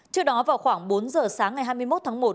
trước đó vào khoảng bốn giờ sáng ngày hai mươi một tháng một